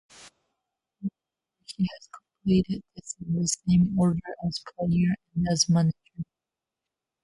Moreover, he has completed this in the same order as player and as manager.